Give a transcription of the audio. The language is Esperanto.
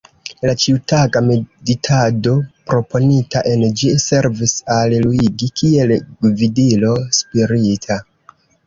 La ĉiutaga meditado proponita en ĝi servis al Luigi kiel gvidilo spirita.